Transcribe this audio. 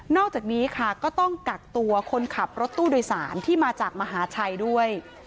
อกจากนี้ค่ะก็ต้องกักตัวคนขับรถตู้โดยสารที่มาจากมหาชัยด้วย